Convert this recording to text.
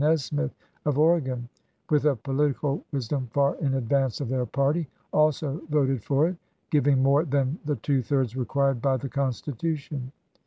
Nesmith of Oregon, — with a political wisdom far in advance of their party, also voted for it, giving more than the two thirds required by the Constitution.